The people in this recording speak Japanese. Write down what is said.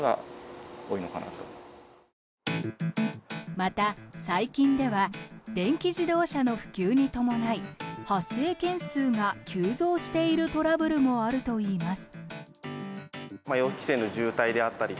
また、最近では電気自動車の普及に伴い発生件数が急増しているトラブルもあるといいます。